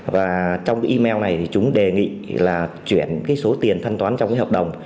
và trong cái email này thì chúng đề nghị là chuyển cái số tiền thanh toán trong cái hợp đồng